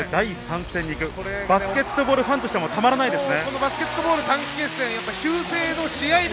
第３戦に行く、バスケットボールファンとしてはたまらないですよね。